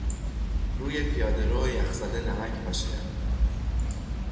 روی پیادهرو یخزده نمک پاشیدن